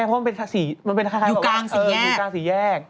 เพราะมันเป็นสีอยู่กลางสีแยก